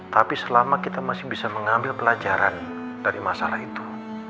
tapi selama kita masih bisa mengambil pelajaran dari masalah itu